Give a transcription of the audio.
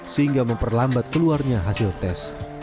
sehingga memperlambat keluarnya hasil tes